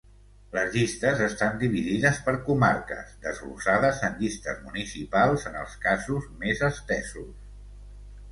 Les llistes estan dividides per comarques, desglossades en llistes municipals en els casos més estesos.